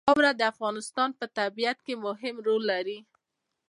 واوره د افغانستان په طبیعت کې مهم رول لري.